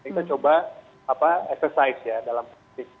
kita coba eksersis ya dalam praktik